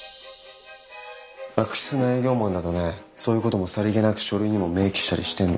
悪質な営業マンだとねそういうこともさりげなく書類にも明記したりしてんの。